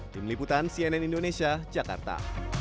tim liputan cnn indonesia jakarta